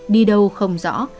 đi đâu không rõ